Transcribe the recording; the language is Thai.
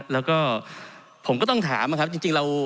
แล้วก็ผมก็ต้องถามนะครับจริงเรา